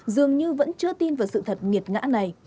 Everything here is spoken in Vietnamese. dường như vẫn chưa tin vào sự thật nghiệt ngã này